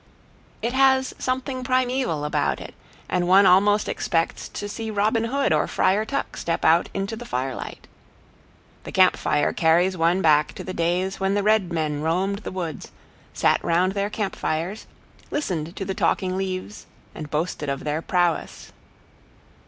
It has something primeval about it, and one almost expects to see Robin Hood or Friar Tuck step out into the firelight. The camp fire carries one back to the days when the red men roamed the woods, sat round their camp fires, listened to the talking leaves, and boasted of their prowess.